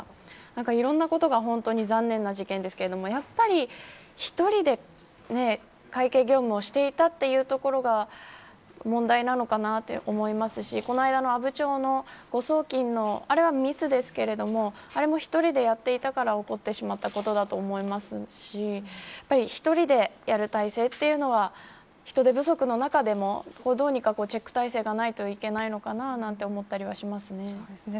なんか、いろんなことが本当に残念な事件ですがやっぱり、一人で会計業務をしていたというところが問題なのかなと思いますしこの間の阿武町の誤送金のあれはミスですが、あれも１人でやっていたから起こってしまったことだと思いますし１人でやる体制というのは人手不足の中でもどうにかチェック体制がないといけないのかななんて思ったりしますね。